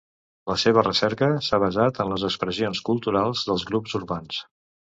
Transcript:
La seva recerca s'ha basat en les expressions culturals dels grups urbans.